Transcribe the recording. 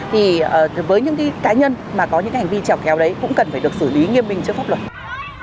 thì với những cái cá nhân mà có những hành vi trèo kéo đấy cũng cần phải được xử lý nghiêm minh trước pháp luật